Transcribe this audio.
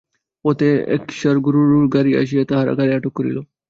পথে একসার গোরুর গাড়ি আসিয়া তাহার গাড়ি আটক করিল।